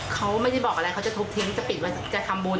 เขาไม่ได้บอกอะไรเขาจะทุบทิ้งจะปิดวันจะทำบุญ